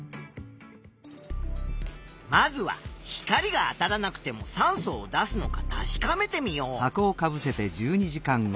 まずは光があたらなくても酸素を出すのか確かめてみよう。